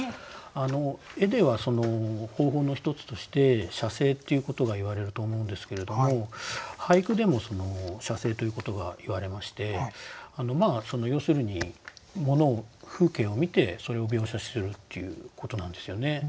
絵では方法の一つとして写生っていうことが言われると思うんですけれども俳句でも写生ということが言われまして要するに物風景を見てそれを描写するっていうことなんですよね。